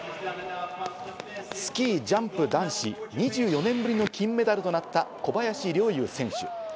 スキージャンプ男子２４年ぶりの金メダルとなった小林陵侑選手。